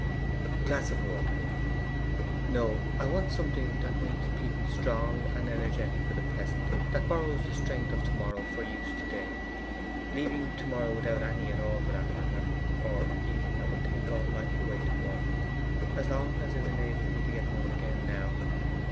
'A glass of water?' 'No. I want something that makes people strong and energetic for the present, that borrows the strength of to morrow for use to day leaving to morrow without any at all for that matter; or even that would take all life away to morrow, so long as it enabled me to get home again now.